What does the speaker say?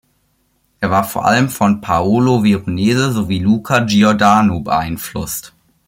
Er war vor allem von Paolo Veronese sowie Luca Giordano beeinflusst.